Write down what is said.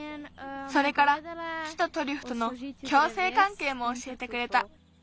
それから木とトリュフとの共生関係もおしえてくれた。